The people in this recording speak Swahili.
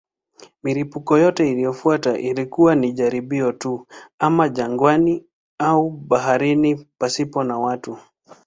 Milipuko yote iliyofuata ilikuwa ya jaribio tu, ama jangwani au baharini pasipo watu.